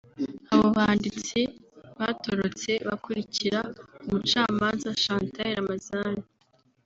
Abo banditsi batorotse bakurikira Umucamanza Chantal Ramazani